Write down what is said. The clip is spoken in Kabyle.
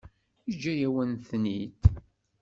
Yeǧǧa-yawen-ten-id.